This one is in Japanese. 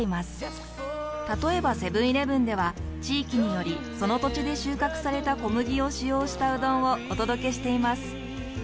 例えばセブンーイレブンでは地域によりその土地で収穫された小麦を使用したうどんをお届けしています。